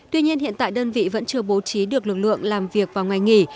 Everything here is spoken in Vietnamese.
tuy nhiên hiện tại đơn vị vẫn chưa bố trí được lực lượng làm việc và ngoài nghỉ